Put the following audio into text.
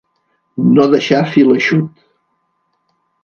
No deixar fil eixut.